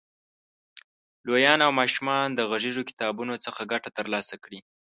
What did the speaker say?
لویان او ماشومان د غږیزو کتابونو څخه ګټه تر لاسه کړي.